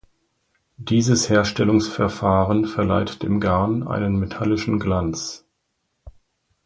Dieses Herstellungsverfahren verleiht dem Garn einen metallischen Glanz.